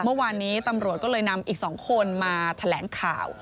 เมื่อวานนี้ตำรวจก็เลยนำอีก๒คนมาแถลงข่าว